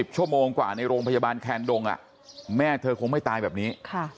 ชั่วโมงกว่าในโรงพยาบาลแคนดงแม่เธอคงไม่ตายแบบนี้